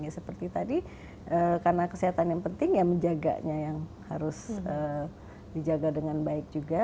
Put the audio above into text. seperti tadi karena kesehatan yang penting ya menjaganya yang harus dijaga dengan baik juga